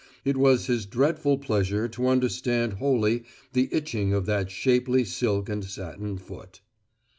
It was his dreadful pleasure to understand wholly the itching of that shapely silk and satin foot.